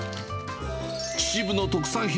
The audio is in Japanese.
秩父の特産品、